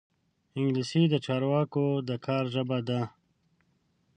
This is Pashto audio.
انګلیسي د چارواکو د کار ژبه ده